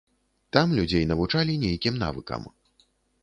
Там людзей навучалі нейкім навыкам.